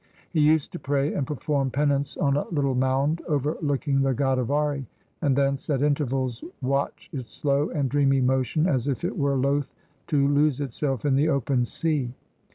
He used to pray and perform penance on a little mound over looking the Godavari, and thence at intervals watch its slow and dreamy motion as if it were loth to lose itself in the open sea.